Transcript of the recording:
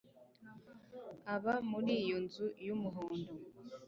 aba muri iyo nzu y'umuhondo